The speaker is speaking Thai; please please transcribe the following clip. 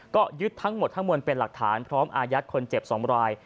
ก็ยึดทั้งหมดทั้งมวลเป็นหลักฐานพร้อมอายัดคนเจ็บ๒ราย